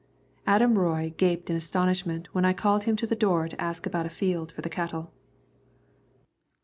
Adam Roy gaped in astonishment when I called him to the door to ask about a field for the cattle.